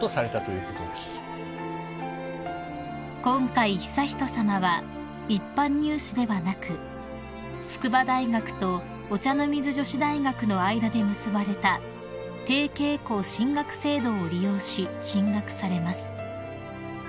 ［今回悠仁さまは一般入試ではなく筑波大学とお茶の水女子大学の間で結ばれた提携校進学制度を利用し進学されます］